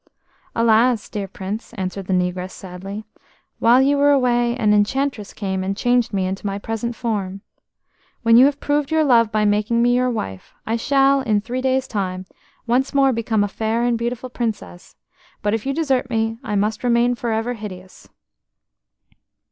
"Alas! dear Prince," answered the negress sadly, "while you were away an enchantress came and changed me into my present form. When you have proved your love by making me your wife, I shall, in three days' time, once more become a fair and beautiful Princess; but if you desert me, I must remain for ever hideous."